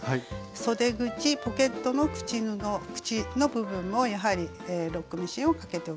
そで口ポケットの口の部分もやはりロックミシンをかけておきます。